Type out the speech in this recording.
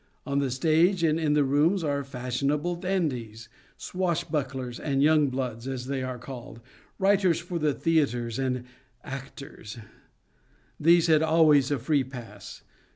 On the stage and in the rooms are fashionable dandies, swashbucklers and young bloods, as they were called, writers for the theatres and actors ; these had always a free pass.